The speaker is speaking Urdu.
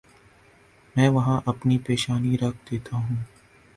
میں وہاں اپنی پیشانی رکھ دیتا ہوں۔